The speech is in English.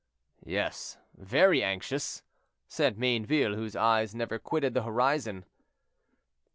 "Yes, very anxious," said Mayneville, whose eyes never quitted the horizon.